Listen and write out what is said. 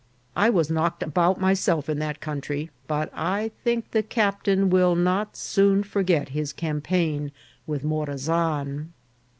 I was knocked about myself in that country, but I think the captain will not soon forget his campaign with Morazan.